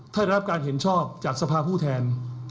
ได้รับการเห็นชอบจากสภาผู้แทน